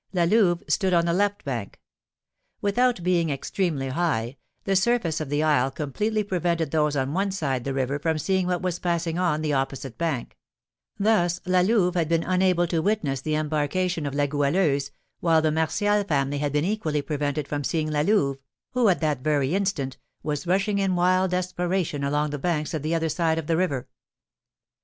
La Louve stood on the left bank. Without being extremely high, the surface of the isle completely prevented those on one side the river from seeing what was passing on the opposite bank; thus La Louve had been unable to witness the embarkation of La Goualeuse, while the Martial family had been equally prevented from seeing La Louve, who, at that very instant, was rushing in wild desperation along the banks of the other side of the river.